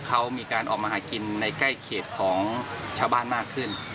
เขามีการออกมาหากินในใกล้เขตของชาวบ้านมากขึ้น